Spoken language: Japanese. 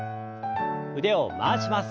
腕を回します。